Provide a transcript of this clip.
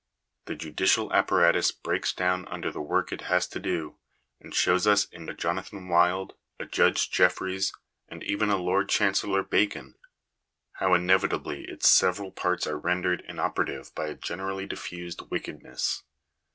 The judicial apparatus breaks down under the work it has to do, and shows us in a Jonathan Wild, a Judge Jeffries, and even a Lord Chancellor Bacon, how inevitably its several parts are rendered inoperative by a generally diffused wickedness.